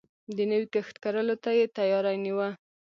د نوی کښت کرلو ته يې تياری نيوه.